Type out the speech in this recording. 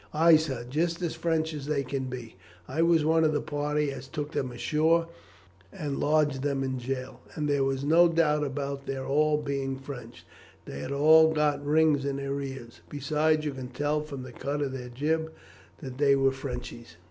"Ay, sir, just as French as can be. I was one of the party as took them ashore and lodged them in jail; and there was no doubt about their all being French. They had all got rings in their ears; besides, you could tell from the cut of their jib that they were Frenchies."